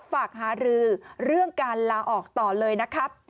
หารือเรื่องการลาออกต่อเลยนะครับ